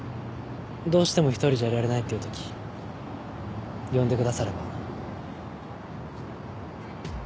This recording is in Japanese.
どうしても１人じゃいられないっていうとき呼んでくだされば。